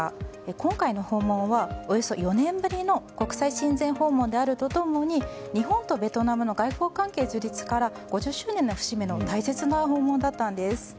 今回の訪問は、およそ４年ぶりの国際親善訪問であると共に日本とベトナムの外交関係樹立から５０周年の節目の大切な訪問だったんです。